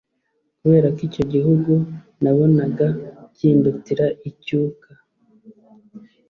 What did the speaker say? kubera ko icyo gihugu nabonaga kindutira icyuka